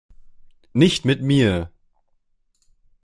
Nicht mit mir!